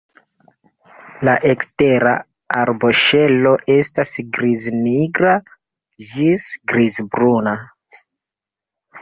La ekstera arboŝelo estas griz-nigra ĝis griz-bruna.